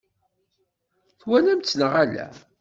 Twalamt-tt neɣ ala?